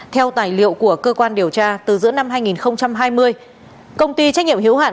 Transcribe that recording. theo tài liệu của cơ quan điều tra từ giữa năm hai nghìn hai mươi công ty trách nhiệm hiếu hạn